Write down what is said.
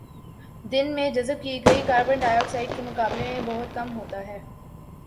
دن میں جذب کی گئی کاربن ڈائی آکسائیڈ کے مقابلے میں بہت کم ہوتا ہے